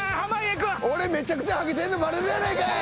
俺めちゃくちゃはげてるのバレるやないかい！